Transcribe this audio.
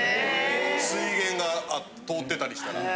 水源が通ってたりしたら。